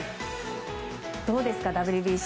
どうですかＷＢＣ。